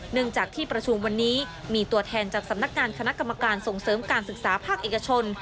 จากที่ประชุมวันนี้มีตัวแทนจากสำนักงานคณะกรรมการส่งเสริมการศึกษาภาคเอกชน